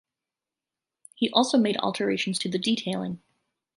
He also made alterations to the detailing.